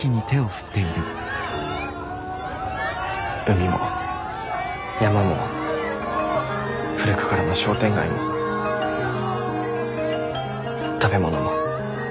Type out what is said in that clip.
海も山も古くからの商店街も食べ物も。